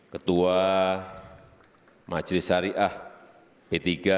ketua majelis syariah p tiga